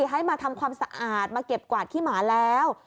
ให้มาทำความสะอาดมาเก็บกวาดขี้หมาแล้ว